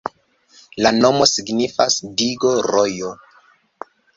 La nomo signifas digo-rojo.